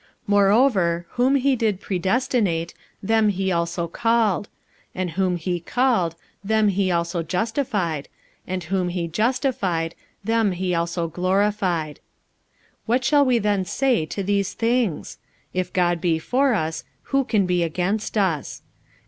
45:008:030 Moreover whom he did predestinate, them he also called: and whom he called, them he also justified: and whom he justified, them he also glorified. 45:008:031 What shall we then say to these things? If God be for us, who can be against us?